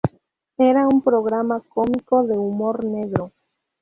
Era un programa cómico, de humor negro.